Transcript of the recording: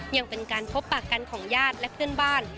ยังเป็นการพบปากกันของญาติและเพื่อนบ้าน